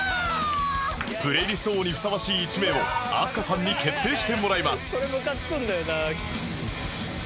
プレイリスト王にふさわしい１名を飛鳥さんに決定してもらいます